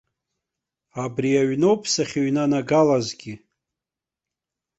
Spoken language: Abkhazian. Абри аҩны ауп сахьыҩнанагалазгьы.